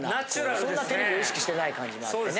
そんなテレビを意識してない感じもあってね。